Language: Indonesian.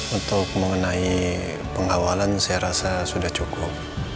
untuk mengenai pengawalan saya rasa sudah cukup